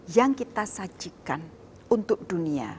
yang kita sajikan untuk dunia